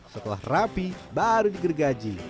setelah rapi baru digergaji